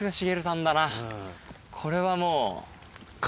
これはもう。